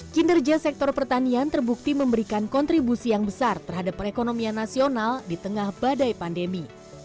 kinerja sektor pertanian terbukti memberikan kontribusi yang besar terhadap perekonomian nasional di tengah badai pandemi